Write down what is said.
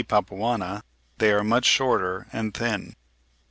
Papuana (Fig. 47) they are much shorter and thin.